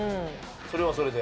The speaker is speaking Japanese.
それはそれで。